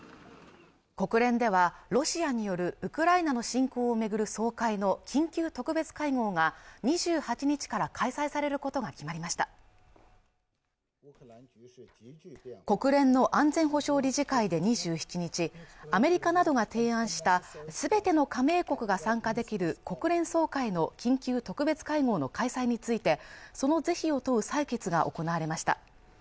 国連ではロシアによるウクライナの侵攻をめぐる総会の緊急特別会合が２８日から開催されることが決まりました国連の安全保障理事会で２７日アメリカなどが提案したすべての加盟国が参加できる国連総会の緊急特別会合の開催についてその是非を問う採決が行われました